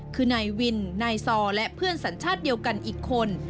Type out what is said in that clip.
คือนายวินนายซอและเพื่อนสัญชาติเดียวกันอีกคน